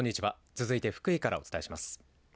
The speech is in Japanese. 続いて福井からお伝えします。